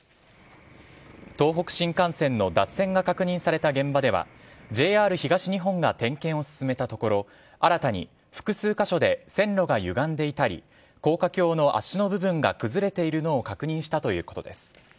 東北新幹線の脱線が確認された現場ではＪＲ東日本が点検を進めたところ新たに複数箇所で線路がゆがんでいたり高架橋の脚の部分が崩れているのを確認したということです。